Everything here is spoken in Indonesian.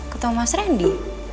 ketemu mas randy